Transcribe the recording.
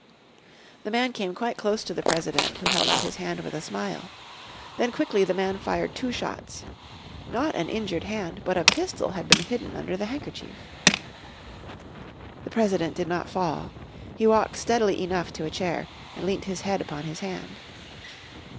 The man came quite close to the President who held out his hand with a smile. Then quickly the man fired two shots. Not an injured hand but a pistol had been hidden under the handkerchief. The President did not fall. He walked steadily enough to a chair, and leant his head upon his hand.